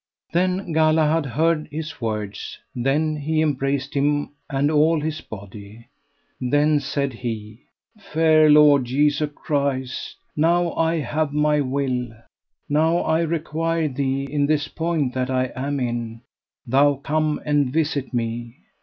Then Galahad heard his words, then he embraced him and all his body. Then said he: Fair Lord Jesu Christ, now I have my will. Now I require thee, in this point that I am in, thou come and visit me.